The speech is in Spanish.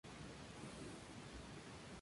Jugó al lado de Walter Gargano.